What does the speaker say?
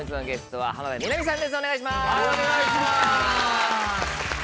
はいお願いします。